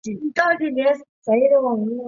高速公路路线编号被编为。